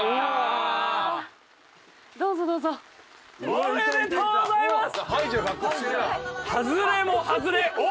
おめでとうございます。